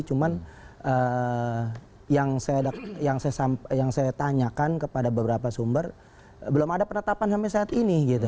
cuman yang saya tanyakan kepada beberapa sumber belum ada penetapan sampai saat ini gitu